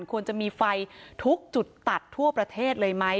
ควรจะมีไฟทุกจุดตัดทั่วประเทศเลยไหม